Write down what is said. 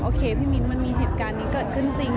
พี่มิ้นมันมีเหตุการณ์นี้เกิดขึ้นจริง